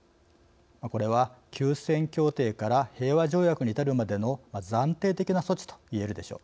これは休戦協定から平和条約に至るまでの暫定的な措置といえるでしょう。